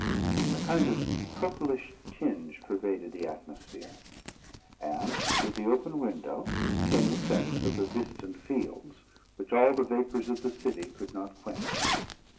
A kind of purplish tinge pervaded the atmosphere, and through the open window came the scents of the distant fields, which all the vapours of the city could not quench.